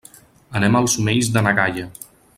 Anem als Omells de na Gaia.